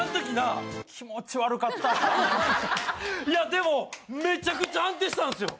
でもめちゃくちゃ安定したんですよ。